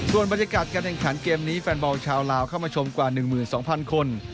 ส่วนบรรยากาศการแข่งขันเกมนี้แฟนบอลชาวลาวเข้ามาชมกว่า๑๒๐๐คน